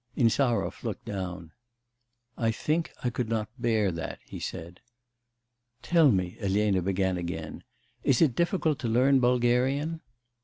Insarov looked down. 'I think I could not bear that,' he said. 'Tell me,' Elena began again, 'is it difficult to learn Bulgarian?